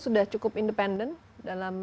sudah cukup independen dalam